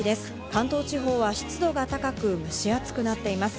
関東地方は湿度が高く蒸し暑くなっています。